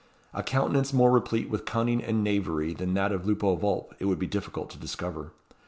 A countenance more replete with cunning and knavery than that of Lupo Vulp, it would be difficult to discover.